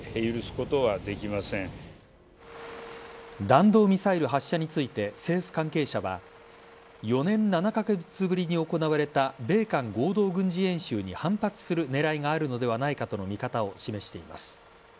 弾道ミサイル発射について政府関係者は４年７カ月ぶりに行われた米韓合同軍事演習に反発する狙いがあるのではないかとの見方を示しています。